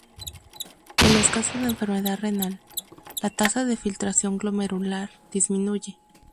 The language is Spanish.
En los casos de enfermedad renal, la tasa de filtración glomerular disminuye.